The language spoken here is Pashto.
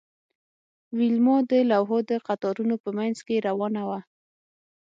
ویلما د لوحو د قطارونو په مینځ کې روانه وه